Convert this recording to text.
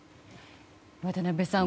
渡辺さん